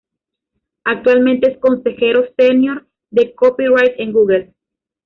Actualmente es consejero senior de Copyright en Google.